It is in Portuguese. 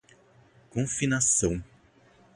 confinação